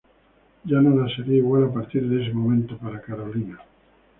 Ya nada sería igual a partir de ese momento para Carolina.